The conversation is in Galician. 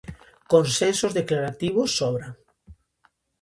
Consensos declarativos, sobran.